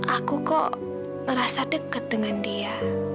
aku kok ngerasa deket dengan dia